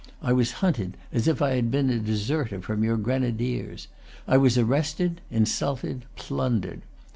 I was hunted as if I had been a deserter from your grenadiers. I was arrested, insulted, plundered.